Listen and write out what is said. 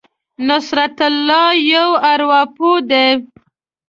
نصرت الله یو ارواپوه دی.